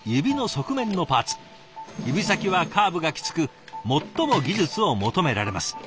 指先はカーブがきつく最も技術を求められます。